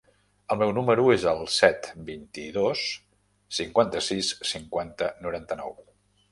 El meu número es el set, vint-i-dos, cinquanta-sis, cinquanta, noranta-nou.